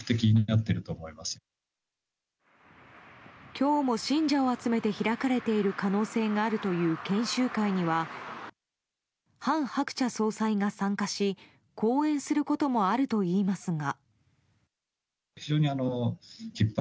今日も信者を集めて開かれている可能性があるという研修会には韓鶴子総裁が参加し講演することもあるといいますが。